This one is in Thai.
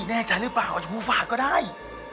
เฮ้ยแน่ใจหรือเปล่าอาจมูกฝาดก็ได้